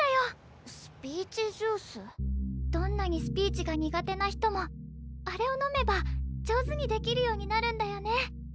どんなにスピーチが苦手な人もあれを飲めば上手にできるようになるんだよね。